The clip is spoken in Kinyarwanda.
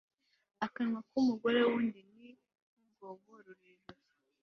akanwa k'umugore w'undi ni nk'urwobo rurerure